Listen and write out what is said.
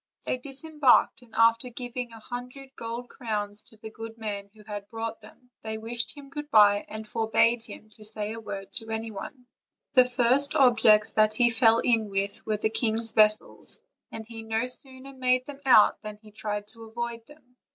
They dis embarked, and after giving a hundred gold crowns to the good man who had brought them, they wished him good by, and forbade him to say a word to any one. OLD, OLD FAIRY TALES. 347 The first objects that ho fell in with were the king's vessels, and he no sooner made them out than he tried to avoid them.